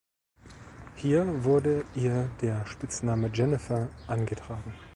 Hier wurde ihr der Spitzname "Jennifer" angetragen.